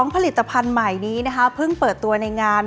ผลิตภัณฑ์ใหม่นี้เพิ่งเปิดตัวในงาน